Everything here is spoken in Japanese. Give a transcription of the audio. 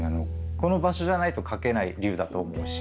この場所じゃないと描けない龍だと思うし。